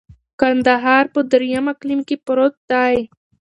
کندهار په دریم اقلیم کي پروت دی.